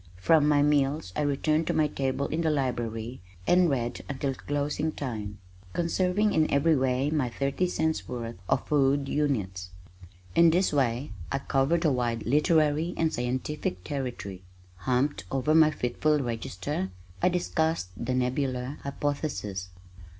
From my meals I returned to my table in the library and read until closing time, conserving in every way my thirty cents' worth of "food units." In this way I covered a wide literary and scientific territory. Humped over my fitful register I discussed the Nebular Hypothesis.